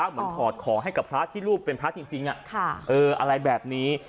เหมือนถอดของให้กับพระที่รูปเป็นพระจริงจริงค่ะเอออะไรแบบนี้